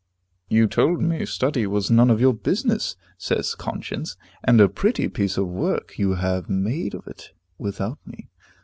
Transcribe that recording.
"You told me study was none of my business," says Conscience, "and a pretty piece of work you have made of it without me.